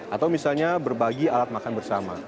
atau misalnya berbagi alat makan bersama